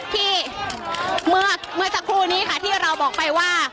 เมื่อสักครู่นี้ค่ะที่เราบอกไปว่า